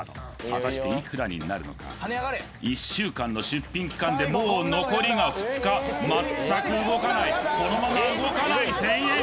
果たしていくらになるのか１週間の出品期間でもう残りが２日全く動かないこのまま動かない１０００円